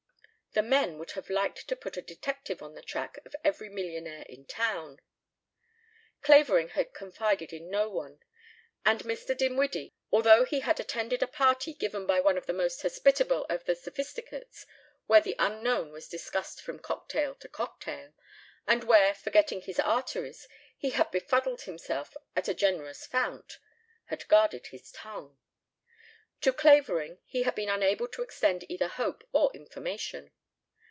The men would have liked to put a detective on the track of every millionaire in town. Clavering had confided in no one, and Mr. Dinwiddie, although he had attended a party given by one of the most hospitable of the Sophisticates where the unknown was discussed from cocktail to cocktail, and where, forgetting his arteries, he had befuddled himself at the generous fount, had guarded his tongue. To Clavering he had been unable to extend either hope or information.